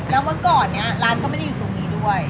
แล้วเมื่อก่อนเนี่ยร้านก็ไม่ได้อยู่ตรงนี้ด้วย